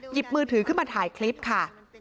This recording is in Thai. หยิบมือถือขึ้นมาถ่ายคลิปค่ะ